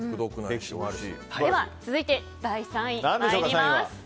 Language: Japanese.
では続いて第３位参ります。